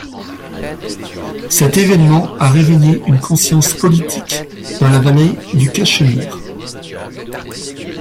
Cet événement a réveillé une conscience politique dans la vallée du Cachemire.